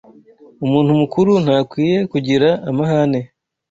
Umuntu mukuru ntakwiye kugira amahane